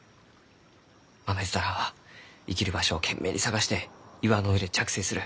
マメヅタランは生きる場所を懸命に探して岩の上に着生する。